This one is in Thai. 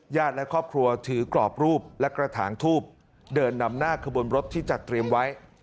และครอบครัวถือกรอบรูปและกระถางทูบเดินนำหน้าขบวนรถที่จัดเตรียมไว้